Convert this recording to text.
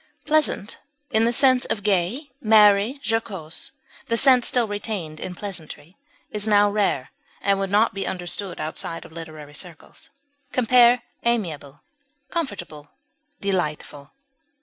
Pleasant, in the sense of gay, merry, jocose (the sense still retained in pleasantry), is now rare, and would not be understood outside of literary circles. Compare AMIABLE; COMFORTABLE; DELIGHTFUL.